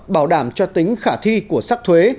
bảo đảm cho tính khả thi của sắc thuế